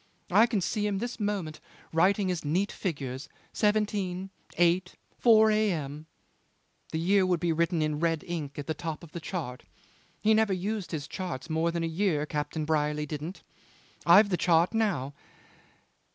I can see him this moment writing his neat figures: seventeen, eight, four A.M. The year would be written in red ink at the top of the chart. He never used his charts more than a year, Captain Brierly didn't. I've the chart now.